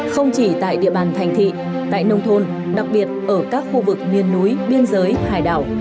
không chỉ tại địa bàn thành thị tại nông thôn đặc biệt ở các khu vực miền núi biên giới hải đảo